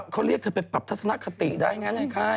เขาเรียกเธอไปปรับทัศนคติได้ไงค่าย